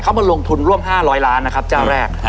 เขามาลงทุนร่วม๕๐๐ล้านนะครับเจ้าแรก